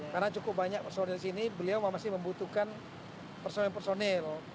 karena cukup banyak personil di sini beliau masih membutuhkan personil personil